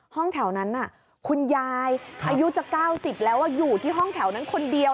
ห้องแถวนั้นคุณยายอายุจะ๙๐แล้วอยู่ที่ห้องแถวนั้นคนเดียว